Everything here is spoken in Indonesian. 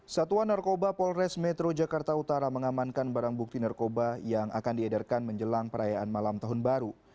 satuan narkoba polres metro jakarta utara mengamankan barang bukti narkoba yang akan diedarkan menjelang perayaan malam tahun baru